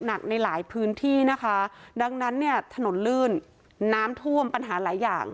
ในหลายพื้นที่นะคะดังนั้นเนี่ยถนนลื่นน้ำท่วมปัญหาหลายอย่าง